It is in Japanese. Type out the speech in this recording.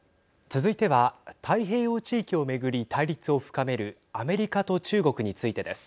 続いては、太平洋地域を巡り対立を深めるアメリカと中国についてです。